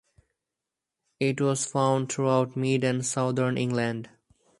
It is found throughout mid and southern England.